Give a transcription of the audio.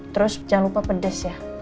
terus jangan lupa pedes ya